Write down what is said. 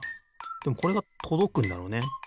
でもこれがとどくんだろうね。